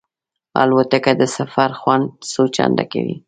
الوتکه د سفر خوند څو چنده کوي.